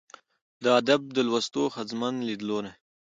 'د ادب د لوست ښځمن ليدلورى